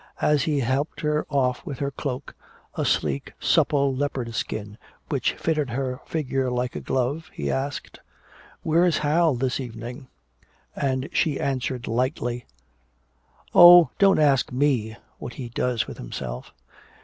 As he helped her off with her cloak, a sleek supple leopard skin which fitted her figure like a glove, he asked, "Where's Hal this evening?" And she answered lightly, "Oh, don't ask me what he does with himself."